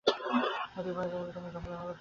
মতি ভয়ে ভলে বলিল, তোমাদের ঝগড়া হল কেন দিদি?